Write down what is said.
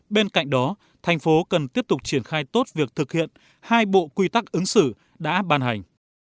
bên cạnh đó thành phố cần tiếp tục triển khai tốt việc thực hiện hai bộ quy tắc ứng xử đã ban hành